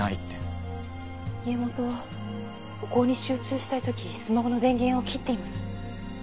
家元はお香に集中したい時スマホの電源を切っています。